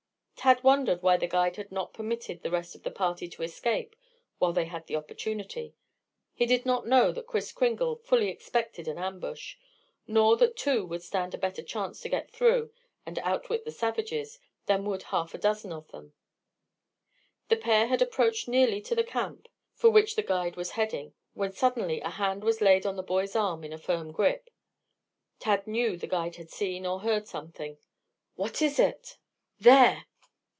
Tad wondered why the guide had not permitted the rest of the party to escape while they had the opportunity. He did not know that Kris Kringle fully expected an ambush, nor that two would stand a better chance to get through and out wit the savages than would half a dozen of them. The pair had approached nearly to the camp, for which the guide was heading, when suddenly a hand was laid on the boy's arm in a firm grip. Tad knew the guide had seen or heard something. "What is it?" "There!"